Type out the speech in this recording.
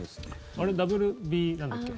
あれ、ＷＢなんだっけ。